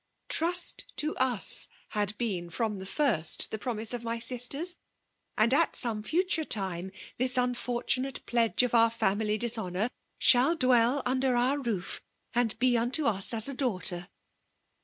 295 'Trust to us' bad been^ from the ixs^ the pnysiise of my sbtecB; 'and at some futiaoe timc^ tltis anfortunate pledge of our family d«i lionoitT nbaXl dwell under our roof, and be onto ne as a daughter.